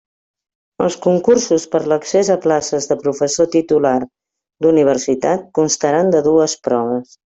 Els concursos per a l'accés a places de professor titular d'universitat constaran de dues proves.